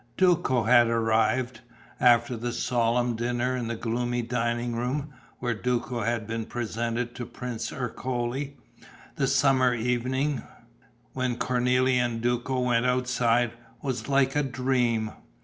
Duco had arrived. After the solemn dinner in the gloomy dining room, where Duco had been presented to Prince Ercole, the summer evening, when Cornélie and Duco went outside, was like a dream.